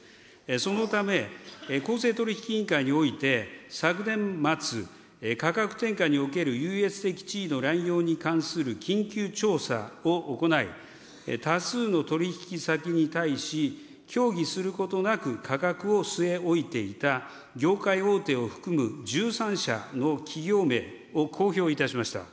そのため、公正取引委員会において、昨年末、価格転嫁における優越的地位の乱用に関する緊急調査を行い、多数の取り引き先に対し、協議することなく価格を据え置いていた業界大手を含む１３社の企業名を公表いたしました。